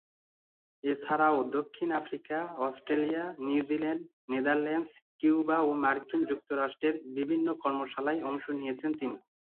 এছাড়াও দক্ষিণ Africa, Australia, New Zealand, Netherlands, Cuba ও মার্কিন যুক্তরাষ্ট্রের বিভিন্ন কর্মশালায় অংশ নিয়েছেন তিনি।